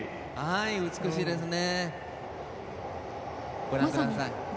美しいですね。